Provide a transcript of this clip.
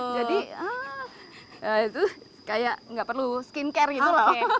jadi kayak gak perlu skin care gitu loh